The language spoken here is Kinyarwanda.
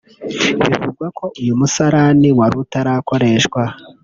Bivugwa ko uyu musarani wari utarakoreshwa